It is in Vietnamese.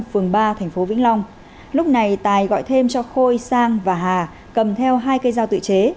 phường ba thành phố vĩnh long lúc này tài gọi thêm cho khôi sang và hà cầm theo hai cây dao tự chế